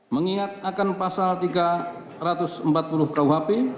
mengingat akan pasal tiga ratus empat puluh kuhp